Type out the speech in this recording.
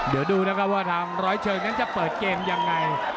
เดี๋ยวดูนะครับว่าทางร้อยเชิงนั้นจะเปิดเกมยังไง